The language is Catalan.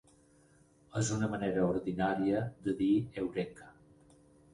...és una manera ordinària de dir Eureka!